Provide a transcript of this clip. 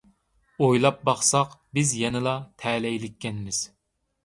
ئويلاپ باقساق بىز يەنىلا تەلەيلىككەنمىز.